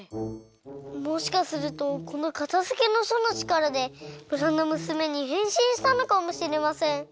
もしかするとこの「かたづけの書」のちからでむらのむすめにへんしんしたのかもしれません。